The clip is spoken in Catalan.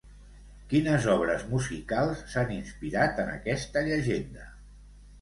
Quines obres musicals s'han inspirat en aquesta llegenda?